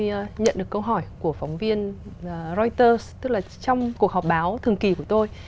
tôi nhận được câu hỏi của phóng viên reuters tức là trong cuộc họp báo thường kỳ của tôi